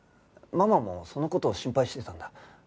ママもその事を心配してたんだ。